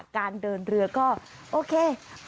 การเดินเรือก็โอเค